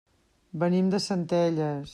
Venim de Centelles.